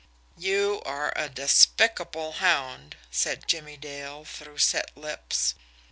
"You are a despicable hound," said Jimmie Dale, through set lips.